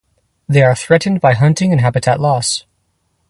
They are threatened by hunting and habitat loss.